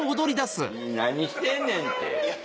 何してんねんって。